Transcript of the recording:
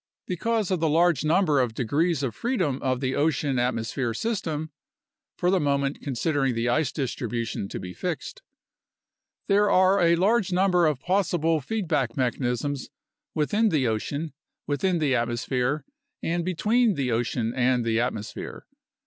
Because of the large number of degrees of freedom of the ocean atmosphere system (for the moment considering the ice distribu tion to be fixed), there are a large number of possible feedback mechanisms within the ocean, within the atmosphere, and between the ocean and the atmosphere.